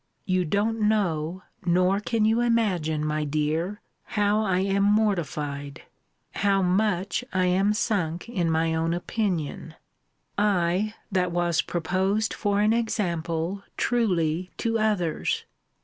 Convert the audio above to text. You don't know, nor can you imagine, my dear, how I am mortified! How much I am sunk in my own opinion! I, that was proposed for an example, truly, to others!